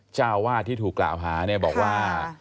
เจ้าวาดที่ถูกกล่าวหาเนี่ยบอกว่า